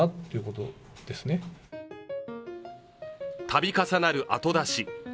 度重なる後出し。